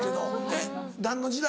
えっ何の時代？